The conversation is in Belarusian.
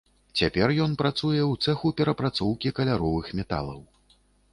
Цяпер ён працуе ў цэху перапрацоўкі каляровых металаў.